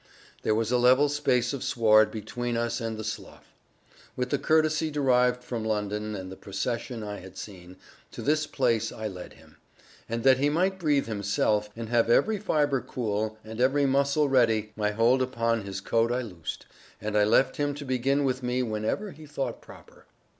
There was a level space of sward between us and the slough. With the courtesy derived from London, and the procession I had seen, to this place I led him. And that he might breathe himself, and have every fibre cool, and every muscle ready, my hold upon his coat I loosed, and left him to begin with me whenever he thought proper.